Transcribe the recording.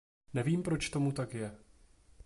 Nevím, proč tomu tak je.